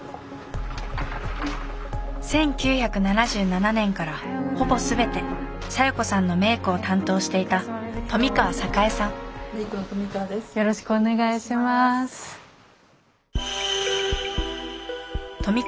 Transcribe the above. １９７７年からほぼ全て小夜子さんのメイクを担当していた富川栄さんメイクの富川です。